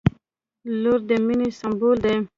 • لور د مینې سمبول دی.